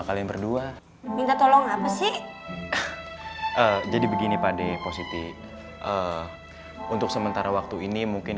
kalian berdua minta tolong apa sih jadi begini pade positif untuk sementara waktu ini mungkin